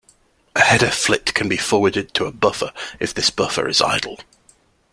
A header flit can be forwarded to a buffer if this buffer is idle.